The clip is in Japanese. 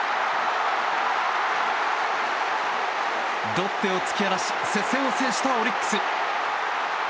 ロッテを突き放し接戦を制したオリックス。